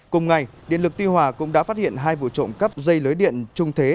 cùng ngày điện lực tuy hòa cũng đã phát hiện hai vụ trộm cắp dây lưới điện trung thế